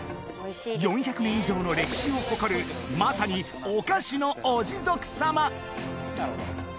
４００年以上の歴史を誇るまさにお菓子のおジゾク様